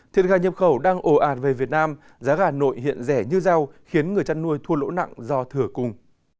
thiên gà nhập khẩu đang ổ ạt về việt nam giá gà nội hiện rẻ như rau khiến người chăn nuôi thua lỗ nặng do thửa cung